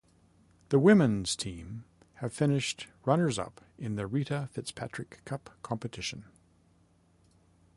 The Women's team have finished runners up in the Rita Fitzpatrick cup competition.